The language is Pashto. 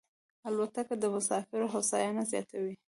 الوتکه د مسافرو هوساینه زیاتوي.